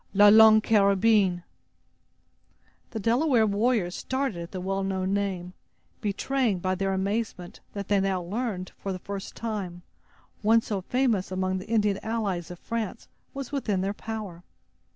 "La Longue Carabine!" The Delaware warriors started at the well known name, betraying by their amazement, that they now learned, for the first time, one so famous among the Indian allies of France was within their power.